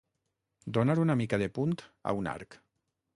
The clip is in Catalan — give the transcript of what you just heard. Donar una mica de punt a un arc.